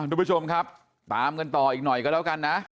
ทุกผู้ชมครับตามกันต่ออีกหน่อยก็แล้วกันนะ